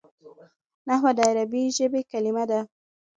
نحوه د عربي ژبي کلیمه ده.